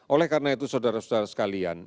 oleh karena itu saudara saudara sekalian